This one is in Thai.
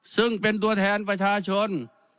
ซึ่งเป็นตัวแทนประชาชน